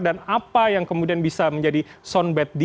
dan apa yang kemudian bisa menjadi soundbath of the week